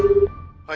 はい。